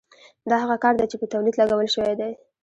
دا هغه کار دی چې په تولید لګول شوی دی